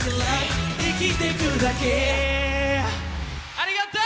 ありがとう！